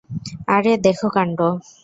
আরে, দেখো কাণ্ড।